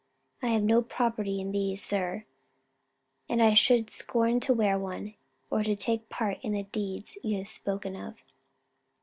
"I have no property in these, sir; and I should scorn to wear one, or to take part in the deeds you have spoken of."